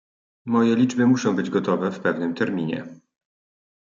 "Moje liczby muszą być gotowe w pewnym terminie."